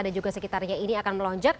dan juga sekitarnya ini akan melonjak